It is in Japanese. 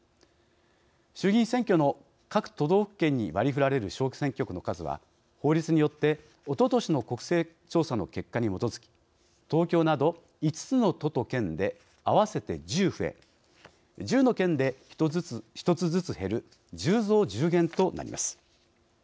衆議院選挙の各都道府県に割りふられる小選挙区の数は法律によって、おととしの国勢調査の結果に基づき東京など５つの都と県で合わせて１０増え１０の県で１つずつ減る１０増１０減となります。